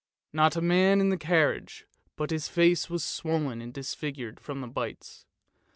Not a man in the carriage but his face was swollen and disfigured from the bites.